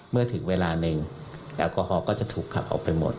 เมื่อถึงเวลาหนึ่งแอลกอฮอลก็จะถูกขับออกไปหมด